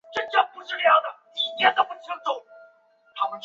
现在已经和以前的时代不同了